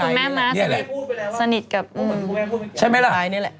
คุณแม่ม้าสนิทกับออนภา